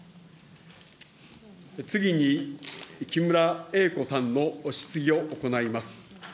次に、木村英子さんの質疑を行います。